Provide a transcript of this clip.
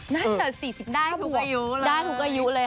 น่าจะ๔๐ได้กระยุเลย